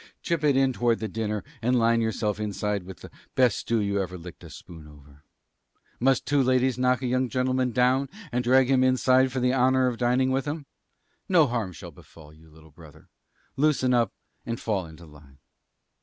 Chip it in toward the dinner and line yourself inside with the best stew you ever licked a spoon over. Must two ladies knock a young gentleman down and drag him inside for the honor of dining with 'em? No harm shall befall you, Little Brother. Loosen up and fall into line."